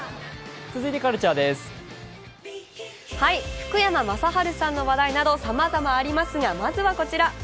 福山雅治さんの話題などさまざまありますが、まずはこちら。